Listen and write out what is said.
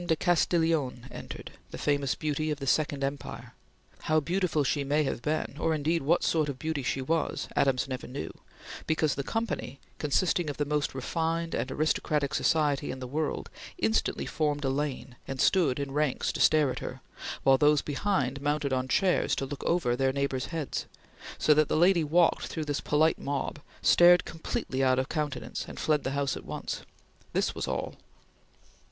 de Castiglione entered, the famous beauty of the Second Empire. How beautiful she may have been, or indeed what sort of beauty she was, Adams never knew, because the company, consisting of the most refined and aristocratic society in the world, instantly formed a lane, and stood in ranks to stare at her, while those behind mounted on chairs to look over their neighbors' heads; so that the lady walked through this polite mob, stared completely out of countenance, and fled the house at once. This was all!